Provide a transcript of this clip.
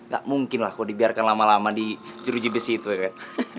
gak mungkin lah kau dibiarkan lama lama di juru jibes itu ya kan